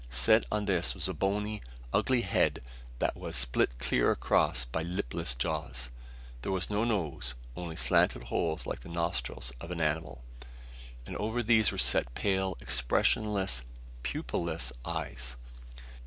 Set on this was a bony, ugly head that was split clear across by lipless jaws. There was no nose, only slanted holes like the nostrils of an animal; and over these were set pale, expressionless, pupil less eyes.